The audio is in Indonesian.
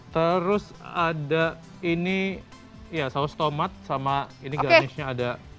terus ada ini saus tomat sama ini garnishnya ada